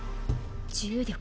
重力。